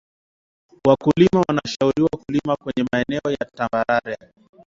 wakulima wanashauriwa kulima kwenye maeneo ya tambarare